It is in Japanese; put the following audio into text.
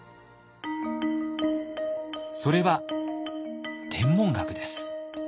それは天文学です。